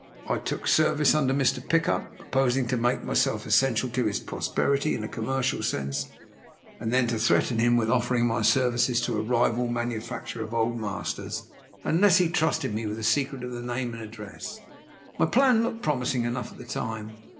I took service under Mr. Pickup, purposing to make myself essential to his prosperity, in a commercial sense and then to threaten him with offering my services to a rival manufacturer of Old Masters, unless he trusted me with the secret of the name and address. My plan looked promising enough at the time.